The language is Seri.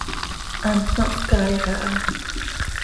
Hant ma hscaaix aha.